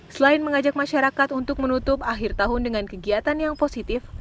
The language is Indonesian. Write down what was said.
selain mengajak masyarakat untuk menutup akhir tahun dengan kegiatan yang positif